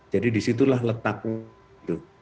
jadi disitulah letaknya itu